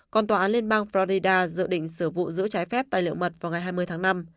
còn tòa án liên bang florida dự định sử vụ giữa trái phép tài liệu mật vào ngày hai mươi tháng năm